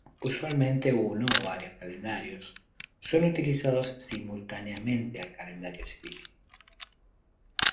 Usualmente uno o varios calendarios son utilizados simultáneamente al calendario civil.